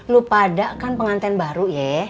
lo pada kan pengantin baru ya